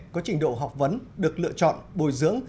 có trình độ học vấn được lựa chọn bồi dưỡng